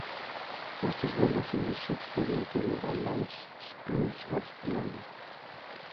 Estos vuelos se inició expediente de Alice Springs, Australia.